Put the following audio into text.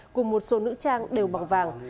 cùng một số nữ trang đều bằng vàng